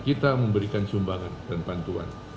kita memberikan sumbangan dan bantuan